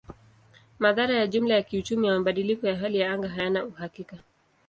Madhara ya jumla ya kiuchumi ya mabadiliko ya hali ya anga hayana uhakika.